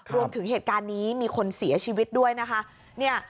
รวมถึงเหตุการณ์นี้มีคนเสียชีวิตด้วยนะคะ